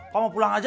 papa pulang aja